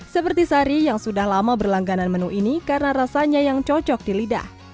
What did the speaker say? seperti sari yang sudah lama berlangganan menu ini karena rasanya yang cocok di lidah